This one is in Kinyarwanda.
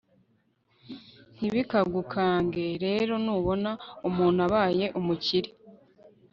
ntibikagukange rero nubona umuntu abaye umukire